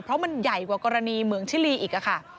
เพราะมันใหญ่กว่ากรณีเหมืองชิลีอีกค่ะ